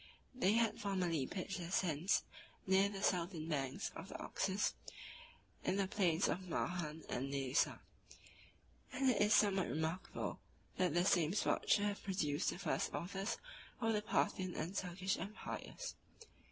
They had formerly pitched their tents near the southern banks of the Oxus, in the plains of Mahan and Nesa; and it is somewhat remarkable, that the same spot should have produced the first authors of the Parthian and Turkish empires.